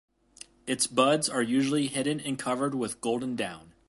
Its buds are usually hidden and covered with golden down.